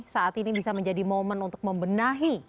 saat ini bisa menjadi momen untuk membenahi